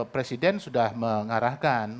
presiden sudah mengarahkan